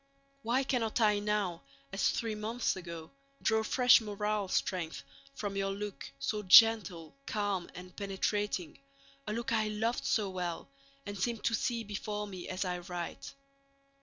Why cannot I now, as three months ago, draw fresh moral strength from your look, so gentle, calm, and penetrating, a look I loved so well and seem to see before me as I write?